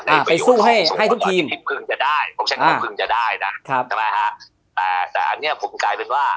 อ่าไปสู้ให้ให้ทุกทีมจะได้จะได้นะครับใช่ไหมฮะแต่แต่อันเนี้ยผมกลายเป็นว่า